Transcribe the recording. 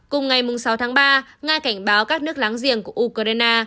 cùng ngày sáu tháng ba nga cảnh báo các nước láng giềng của ukraine